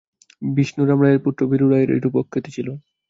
বিষ্ণুরাম রায়ের পুত্র বীরু রায়ের এইরূপ অখ্যাতি ছিল।